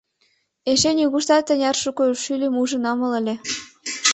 — Эше нигуштат тынар шуко шӱльым ужын омыл ыле.